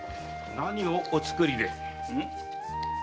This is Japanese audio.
何をお作りで？